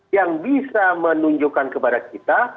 yang bisa menunjukkan kepada kita